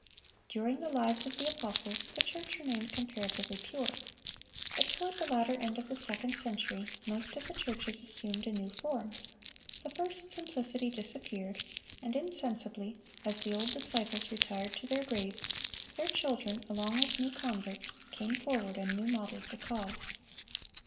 (634) During the lives of the apostles the church remained comparatively pure. But "toward the latter end of the second century most of the churches assumed a new form; the first simplicity disappeared, and insensibly, as the old disciples retired to their graves, their children, along with new converts, ... came forward and new modeled the cause."